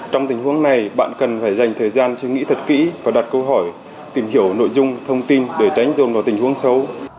trong tình huống này bạn cần phải dành thời gian suy nghĩ thật kỹ và đặt câu hỏi tìm hiểu nội dung thông tin để tránh dồn vào tình huống xấu